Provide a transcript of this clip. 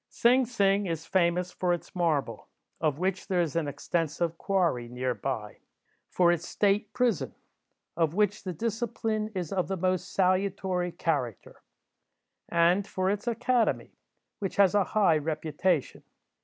Sing Sing is famous for its marble, of which there is an extensive quarry near by; for its State prison, of which the discipline is of the most salutary character; and for its academy, which has a high reputation.